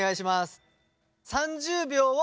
３０秒を。